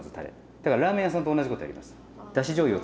だからラーメン屋さんと同じことやります。